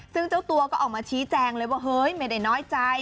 ซึ่งเจ้าตัวก็ออกมาชี้แจงเลยว่าเฮ้ยไม่ได้น้อยใจ